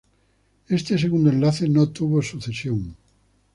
Este segundo enlace no tuvo sucesión.